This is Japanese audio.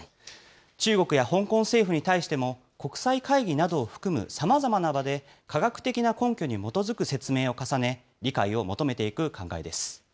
中国や香港政府に対しても、国際会議などを含むさまざまな場で、科学的な根拠に基づく説明を重ね、理解を求めていく考えです。